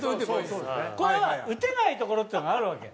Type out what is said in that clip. これは打てない所っていうのがあるわけ。